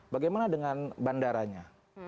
bagaimana dengan bandaranya